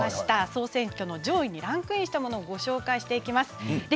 総選挙の上位にランクインしたものをご紹介していきます。